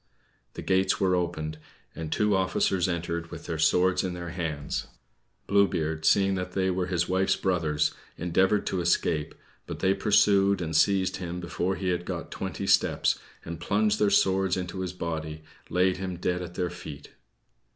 The gates were opened, and two officers entered with their swords in their hands. Blue Beard, seeing they were his wife's brothers, endeavored to escape, but they pursued and seized him before he had got twenty steps, and, plunging their swords into his body, laid him dead at their feet.